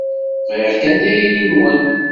Bɣiɣ kan tayri-nwen.